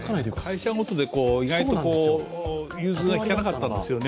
会社ごとで意外と融通がきかなかったんですよね。